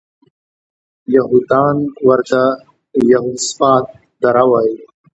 یهودان ورته د یهوسفات دره وایي.